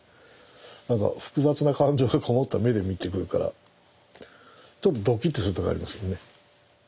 何か複雑な感情がこもった目で見てくるからちょっとドキっとする時ありますもんね。